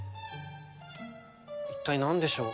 一体なんでしょう？